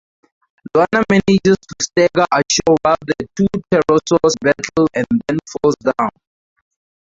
Loana manages to stagger ashore while the two pterosaurs battle and then falls down.